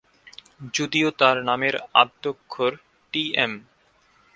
যদিও তার নামের আদ্যক্ষর টিএম।